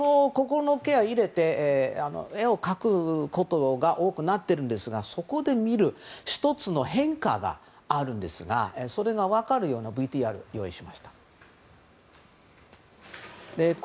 ケアのために絵を描くことが多くなっているんですがそこで見る１つの変化があるんですがそれが分かるようなＶＴＲを用意しました。